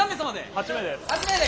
８名で。